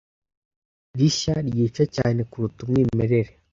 rishya ryica cyane kuruta umwimerere